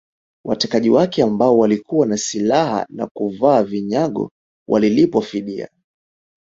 Watekaji wake ambao walikuwa na silaha na kuvaa vinyago walilipwa fidia